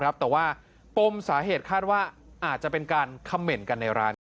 แต่ว่าปมสาเหตุคาดว่าอาจจะเป็นการคำเมนต์กันในร้าน